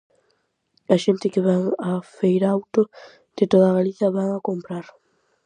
A xente que vén a Feirauto de toda Galicia vén a comprar.